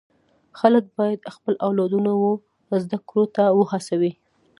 خلک باید خپل اولادونه و زده کړو ته و هڅوي.